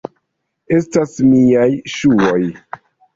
Estas miaj ŝuoj!